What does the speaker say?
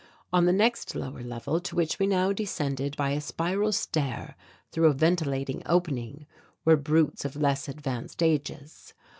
On the next lower level, to which we now descended by a spiral stair through a ventilating opening, were brutes of less advanced ages.